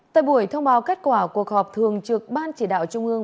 tại buổi thông báo kết quả cuộc họp thường trực ban chỉ đạo trung ương